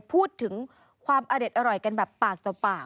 พูดถึงความอร่อยกันแบบปากต่อปาก